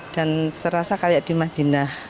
dan serasa kayak di madinah